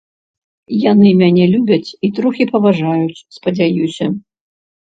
Яны мяне любяць, і трохі паважаюць, спадзяюся.